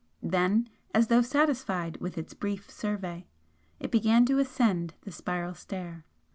Then, as though satisfied with its brief survey, it began to ascend the spiral stair.